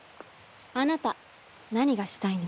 あなた何がしたいの？